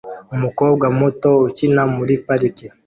Umukobwa muto ukina muri parike